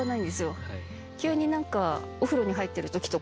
急に何か。